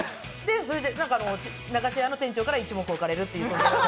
それで駄菓子屋の主人から一目置かれるっていう。